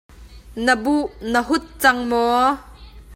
Na buh na hut cang maw?